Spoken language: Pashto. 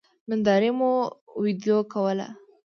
نندارې مو وېډيو کوله.